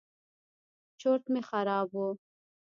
چورت مې خراب و.